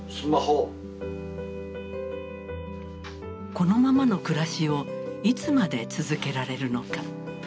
このままの暮らしをいつまで続けられるのか。